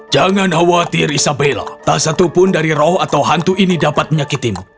jangan khawatir isabella tak satupun dari roh atau hantu ini dapat menyakitimu